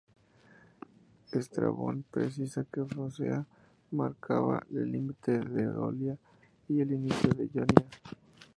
Estrabón precisa que Focea marcaba el límite de Eólida y el inicio de Jonia.